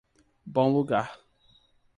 Bom Lugar